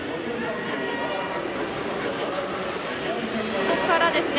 ここからですね。